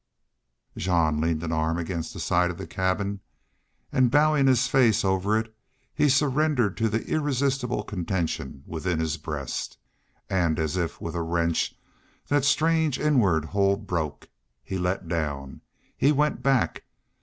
Jean leaned an arm against the side of the cabin and, bowing his face over it, he surrendered to the irresistible contention within his breast. And as if with a wrench that strange inward hold broke. He let down. He went back.